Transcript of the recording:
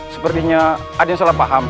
sepertinya aden salah paham